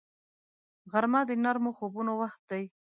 غرمه د نرمو خوبونو وخت دی